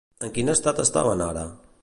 En quin estat estaven ara?